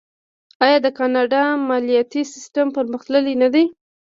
آیا د کاناډا مالیاتي سیستم پرمختللی نه دی؟